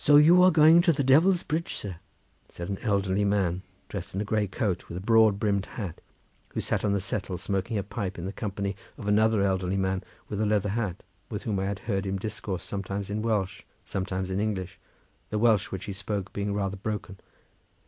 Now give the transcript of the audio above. "So you are going to the Devil's Bridge, sir!" said an elderly man, dressed in a grey coat with a broad brimmed hat, who sat on the settle smoking a pipe in company with another elderly man with a leather hat, with whom I had heard him discourse, sometimes in Welsh, sometimes in English, the Welsh which he spoke being rather broken.